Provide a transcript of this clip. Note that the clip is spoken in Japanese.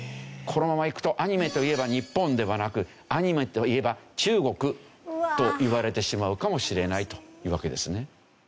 このままいくとアニメといえば日本ではなくアニメといえば中国と言われてしまうかもしれないというわけですね。